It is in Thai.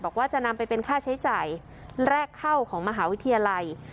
บอกว่าจะนำไปเป็นค่าใช้จ่ายแรกเข้าของมหาวิทยาลัย